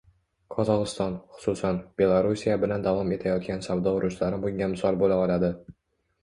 Qozog'iston, xususan, Belarusiya bilan davom etayotgan savdo urushlari bunga misol bo'la oladi